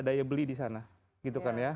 daya beli di sana gitu kan ya